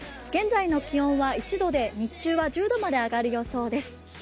現在の気温は１度で日中は１０度まで上がる予想です。